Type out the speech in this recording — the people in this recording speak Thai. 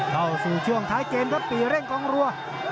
เข้าสู่ช่วงท้ายเกมครับปีเร่งกองรัว